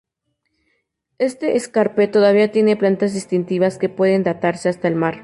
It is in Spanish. Este escarpe todavía tiene plantas distintivas que pueden datarse hasta el mar.